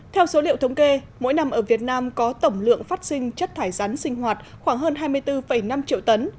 theo số liệu thống kê mỗi năm ở việt nam có tổng lượng phát sinh chất thải rắn sinh hoạt khoảng hơn hai mươi bốn năm triệu tấn